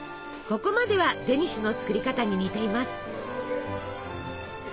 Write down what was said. ここまではデニッシュの作り方に似ています。